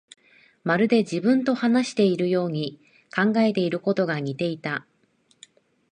まるで自分と話しているように、考えていることが似ていた